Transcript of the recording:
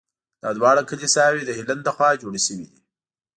دا دواړه کلیساوې د هیلن له خوا جوړې شوي دي.